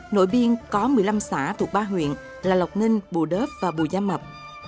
nội biên có một mươi năm xã thuộc ba huyện là lộc ninh bù đớp và bù gia mập